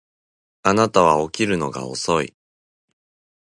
あなたは起きるのが遅い